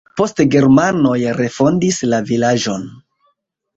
Poste germanoj refondis la vilaĝon.